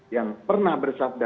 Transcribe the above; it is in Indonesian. yang pernah bersabda